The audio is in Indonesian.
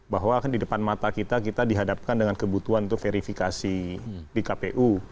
bahwa di depan mata kita kita dihadapkan dengan kebutuhan untuk verifikasi di kpu